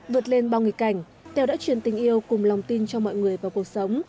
vượt lên bao nghịch cảnh tèo đã truyền tình yêu cùng lòng tin cho mọi người vào cuộc sống